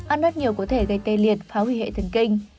ăn nắp nhiều có thể gây tê liệt phá hủy hệ thần kinh